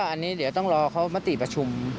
อันนี้เดี๋ยวต้องรอเขามติประชุม